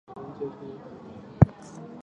他的证据完全基于那些油画本身的特点。